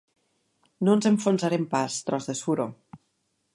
No ens enfonsarem pas, tros de suro!